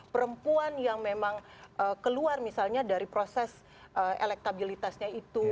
perempuan yang memang keluar misalnya dari proses elektabilitasnya itu